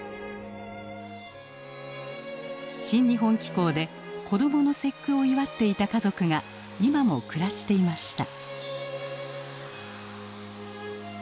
「新日本紀行」で子どもの節句を祝っていた家族が今も暮らしていました。